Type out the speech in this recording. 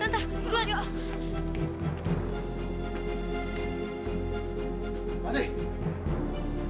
tante berdua yuk